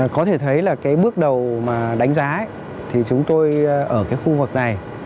có thể thấy là cái bước đầu mà đánh giá thì chúng tôi ở cái khu vực này